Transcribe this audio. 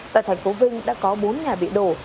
tại thành phố vinh đã có bốn nhà bị đổ